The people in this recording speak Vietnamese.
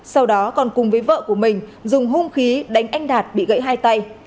sau đó còn cùng với vợ của mình dùng hung khí đánh anh đạt bị gãy hai tay